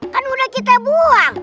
kan udah kita buang